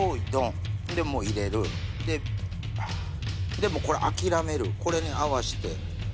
でもうこれ諦めるこれに合わせてこう入れる。